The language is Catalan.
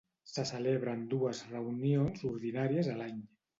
Se celebren dues reunions ordinàries a l'any.